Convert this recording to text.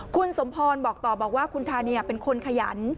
คุณสมพรบอกต่อบอกว่าคุณทาเนียเป็นคนขยัน